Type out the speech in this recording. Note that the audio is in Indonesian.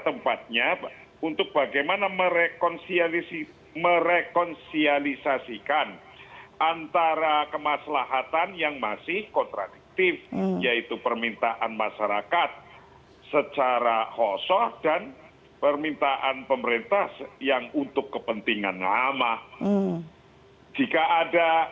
selain itu presiden judicial review ke mahkamah konstitusi juga masih menjadi pilihan pp muhammadiyah